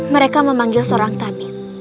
mereka memanggil seorang tabib